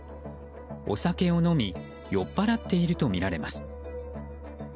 お酒を飲み酔っぱらっているとみられます。